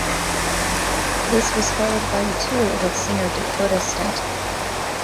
This was followed by a tour with singer Dakota Staton.